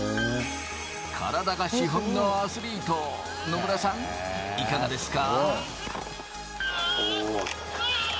体が資本のアスリート、野村さん、いかがですか？